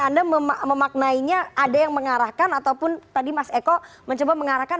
anda memaknainya ada yang mengarahkan ataupun tadi mas eko mencoba mengarahkan